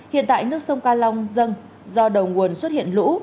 hiện tại nước sông ca long dâng do đầu nguồn xuất hiện lũ